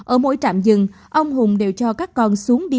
ở mỗi trạm dừng ông hùng đều cho các con xuống địa